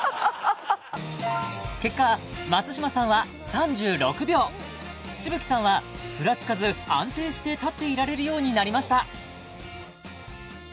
結果松嶋さんは３６秒紫吹さんはフラつかず安定して立っていられるようになりました